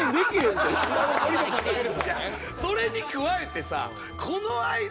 それに加えてさ「この間」。